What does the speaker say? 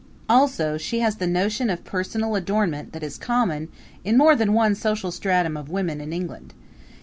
Also, she has the notion of personal adornment that is common in more than one social stratum of women in England.